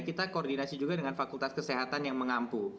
kita koordinasi juga dengan fakultas kesehatan yang mengampu